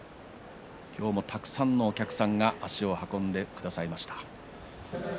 今日も、たくさんのお客さんが足を運んでくださいました。